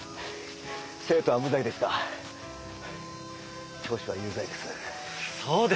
生徒は無罪ですが教師は有罪です。